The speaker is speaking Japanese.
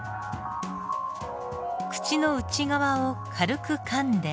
口の内側を軽くかんで。